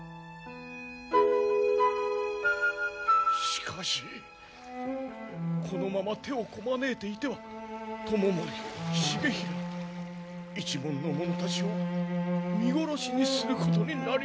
しかしこのまま手をこまねいていては知盛重衡一門の者たちを見殺しにすることになります！